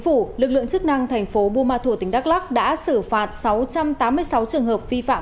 phủ lực lượng chức năng tp bumathur tỉnh đắk lắc đã xử phạt sáu trăm tám mươi sáu trường hợp vi phạm